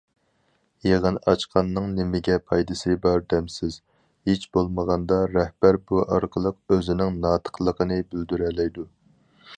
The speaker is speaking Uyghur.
يىغىن ئاچقاننىڭ نېمىگە پايدىسى بار دەمسىز؟ ھېچبولمىغاندا رەھبەر بۇ ئارقىلىق ئۆزىنىڭ ناتىقلىقىنى بىلدۈرەلەيدۇ.